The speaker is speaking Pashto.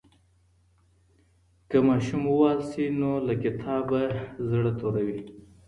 که ماشوم ووهل سي نو له کتابه زړه توروي.